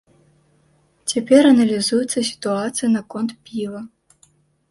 Цяпер аналізуецца сітуацыя наконт піва.